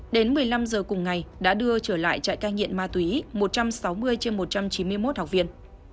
đến một mươi năm giờ cùng ngày đã đưa trở lại trại cai nghiện ma túy một trăm sáu mươi trên một trăm chín mươi một học viên